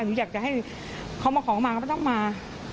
หนูอยากจะให้เขามาขอมาก็ไม่ต้องมา